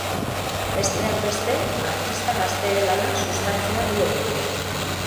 Besteak beste, artista gazteen lana sustatzea du helburu.